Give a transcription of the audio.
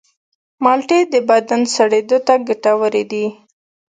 مالټې د بدن سړېدو ته ګټورې دي.